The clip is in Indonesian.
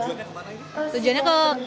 nah tujuannya kemana ini